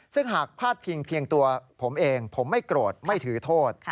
ซึ่งหากพาดพิงเพียงตัวผมเองผมไม่โกรธไม่ถือโทษ